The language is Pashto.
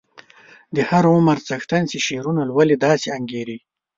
د هر عمر څښتن چې شعرونه لولي داسې انګیري.